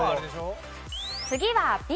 次はＢ。